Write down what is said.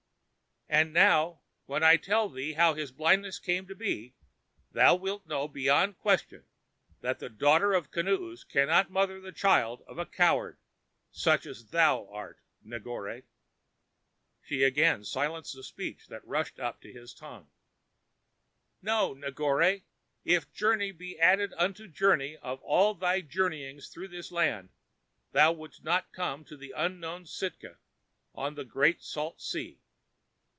And now, when I tell thee of how his blindness came to be, thou wilt know, beyond question, that the daughter of Kinoos cannot mother the children of a coward such as thou art, Negore." Again she silenced the speech that rushed up to his tongue. "Know, Negore, if journey be added unto journey of all thy journeyings through this land, thou wouldst not come to the unknown Sitka on the Great Salt Sea.